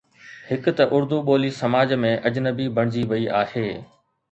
هڪ ته اردو ٻولي سماج ۾ اجنبي بڻجي وئي آهي.